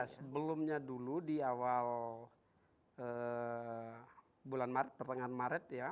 sebelumnya dulu di awal bulan maret pertengahan maret ya